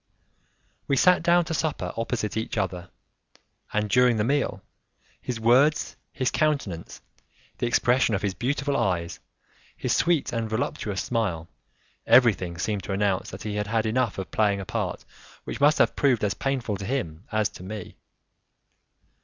We sat down to supper opposite each other, and during the meal, his words, his countenance, the expression of his beautiful eyes, his sweet and voluptuous smile, everything seemed to announce that he had had enough of playing a part which must have proved as painful to him as to me.